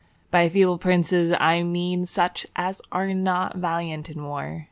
By feeble princes, I mean such as are not valiant in war.